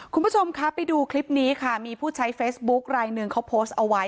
คุณผู้ชมคะไปดูคลิปนี้ค่ะมีผู้ใช้เฟซบุ๊คลายหนึ่งเขาโพสต์เอาไว้